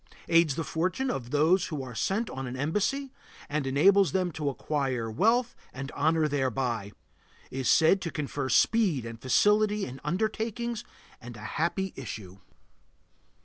Aids the fortunes of those who are sent on an embassy, and enables them to acquire wealth and honor thereby. Is said to confer speed and facility in undertakings and a happy issue.